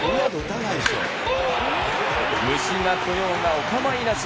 虫が来ようがお構いなし。